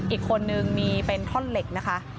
อีกคนนึงมีเป็นท่อนเหล็กนะคะ